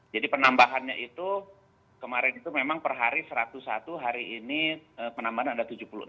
jadi penambahannya itu kemarin itu memang per hari satu ratus satu hari ini penambahan ada tujuh puluh enam